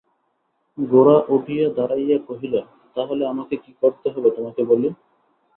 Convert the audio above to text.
গোরা উঠিয়া দাঁড়াইয়া কহিল, তা হলে আমাকে কী করতে হবে তোমাকে বলি।